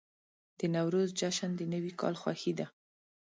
د نوروز جشن د نوي کال خوښي ده.